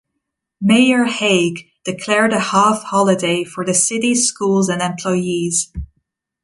Mayor Hague declared a half-holiday for the city's schools and employees.